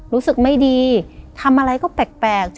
รู้สึกไม่ดีทำอะไรก็แปลก